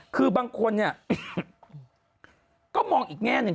คือบางคนเนี่ยก็มองอีกแง่หนึ่ง